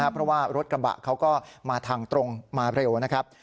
เพราะว่ารถกระบะเขาก็มาทางตรงมาเร็วนะครับ